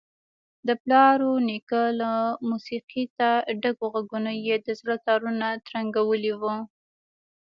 د پلار ونیکه له موسیقیته ډکو غږونو یې د زړه تارونه ترنګولي وو.